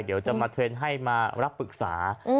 เดี๋ยวจะมาเทรนด์ให้มารับปรึกษา